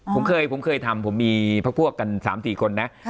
ผมเคยผมเคยทำผมมีพวกพวกกันสามสี่คนนะค่ะ